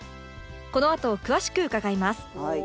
このあと詳しく伺います